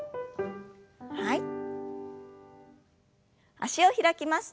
脚を開きます。